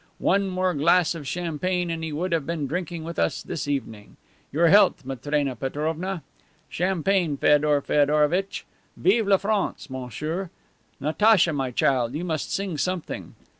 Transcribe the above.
One more glass of champagne and he would have been drinking with us this evening. Your health, Matrena Petrovna. Champagne, Feodor Feodorovitch! Vive la France, monsieur! Natacha, my child, you must sing something.